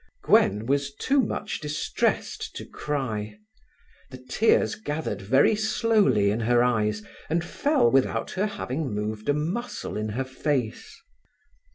Gwen was too much distressed to cry. The tears gathered very slowly in her eyes, and fell without her having moved a muscle in her face.